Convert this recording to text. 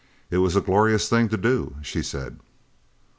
"It was a glorious thing to do!" she said.